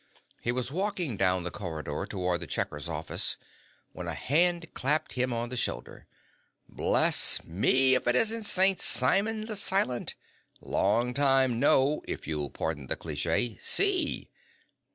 He was walking down the corridor toward the checker's office when a hand clapped him on the shoulder. "Bless me if it isn't St. Simon the Silent! Long time no, if you'll pardon the cliché, see!"